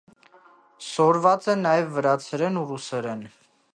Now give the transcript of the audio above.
Սորված է նաեւ վրացերէն ու ռուսերէն։